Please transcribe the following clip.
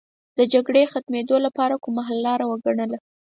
د جګړې ختمېدو لپاره کومه د حل لاره وګڼله.